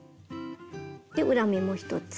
で裏目も１つ。